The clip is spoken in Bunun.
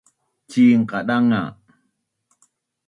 cin qadanga